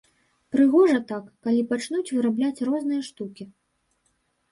Прыгожа так, калі пачнуць вырабляць розныя штукі.